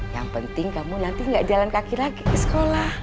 yang penting kamu nanti nggak jalan kaki lagi ke sekolah